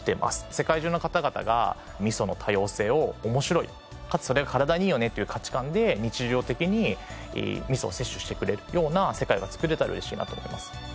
世界中の方々が味噌の多様性を面白いかつそれが体にいいよねという価値観で日常的に味噌を摂取してくれるような世界が作れたら嬉しいなと思います。